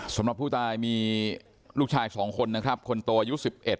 สำหรับผู้ตายมีลูกชายสองคนนะครับคนโตอายุ๑๑